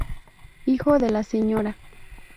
Hijo de la Sra.